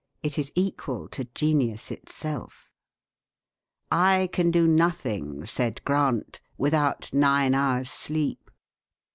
It is equal to genius itself. "I can do nothing," said Grant, "without nine hours' sleep."